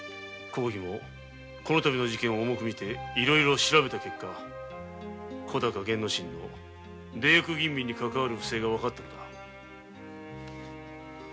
公儀も今度の事件を重くみていろいろ調べた結果小高玄之進の出役吟味にかかわる不正がわかったのだ。